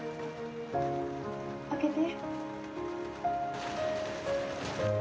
開けて